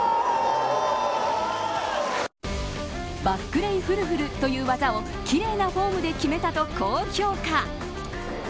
バックレイ・フル・フルという技を奇麗なフォームで決めたと高評価。